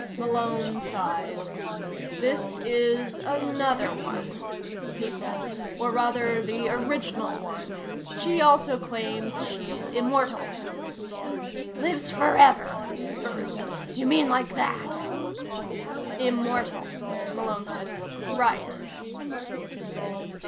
Malone sighed. "This is another one," he said. "Or, rather, the original one. She also claims she's immortal." "Lives forever?" Burris said. "You mean like that?" "Immortal," Malone said. "Right."